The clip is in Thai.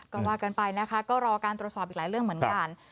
ก็ว่ากันไปนะคะก็รอการตรวจสอบอีกหลายเรื่องเหมือนกัน